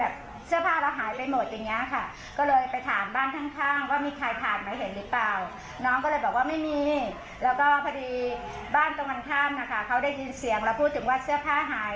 เขาได้ยินเสียงแล้วพูดถึงว่าเสื้อผ้าหาย